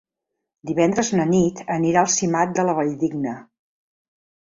Divendres na Nit anirà a Simat de la Valldigna.